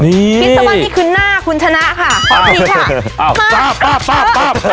เนี้ยนี่ขึ้นหน้าคุณชนะค่ะอันนี้ค่ะอ้าวปั๊บปั๊บปั๊บ